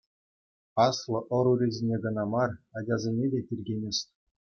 Аслӑ ӑрурисене кӑна мар, ачасене те тиркемест.